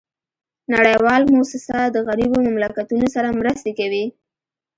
نړیوال موسسات د غریبو مملکتونو سره مرستي کوي